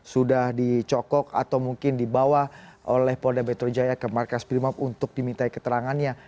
sudah dicokok atau mungkin dibawa oleh polda metro jaya ke markas primob untuk dimintai keterangannya